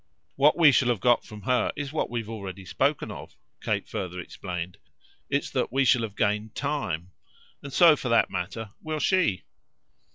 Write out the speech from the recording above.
What we shall have got from her is what we've already spoken of," Kate further explained; "it's that we shall have gained time. And so, for that matter, will she."